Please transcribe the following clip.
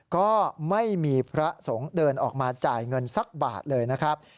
ก็ไม่มีพระสงฆ์เดินออกมาจ่ายเงินสักบาทเลยนะครับ